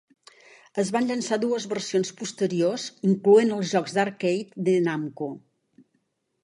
Es van llançar dues versions posteriors, incloent els jocs d'arcade de Namco.